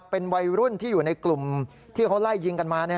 เป็นวัยรุ่นที่อยู่ในกลุ่มที่เขาไล่ยิงกันมา